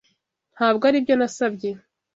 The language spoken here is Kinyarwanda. Ntabwo aribyo nasabye.